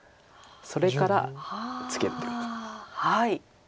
それからツケるということです。